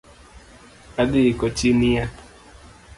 Adhi iko chi near